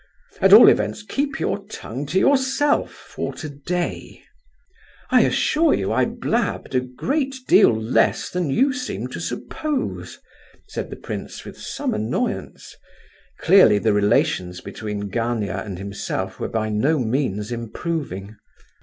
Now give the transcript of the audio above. At all events keep your tongue to yourself for today." "I assure you I 'blabbed' a great deal less than you seem to suppose," said the prince, with some annoyance. Clearly the relations between Gania and himself were by no means improving.